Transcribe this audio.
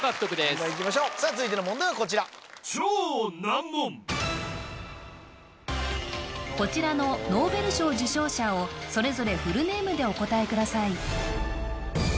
どんどんいきましょうさあ続いての問題はこちらこちらのノーベル賞受賞者をそれぞれフルネームでお答えください